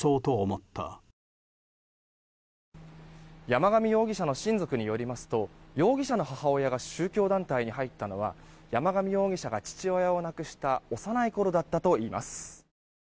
山上容疑者の親族によりますと容疑者の母親が宗教団体に入ったのは山上容疑者が父親を亡くした幼いころだったといいます。